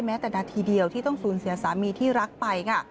แม้แต่นาทีเดียวที่ต้องศูนย์เสียสามีที่รักไป